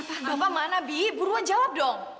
bapak mana bi buruan jawab dong